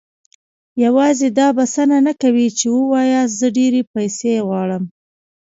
يوازې دا بسنه نه کوي چې وواياست زه ډېرې پيسې غواړم.